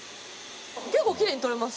結構キレイに取れます。